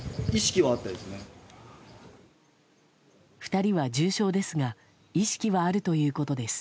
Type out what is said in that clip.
２人は重傷ですが意識はあるということです。